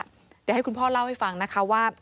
เดี๋ยวให้คุณพ่อเล่าให้ฟังนะคะว่า